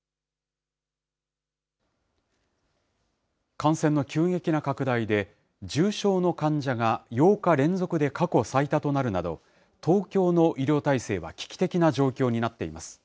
感染の急激な拡大で、重症の患者が８日連続で過去最多となるなど、東京の医療体制は危機的な状況になっています。